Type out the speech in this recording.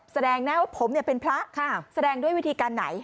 แสดงแน่ว่าผมเนี่ยเป็นพระค่ะแสดงด้วยวิธีการไหน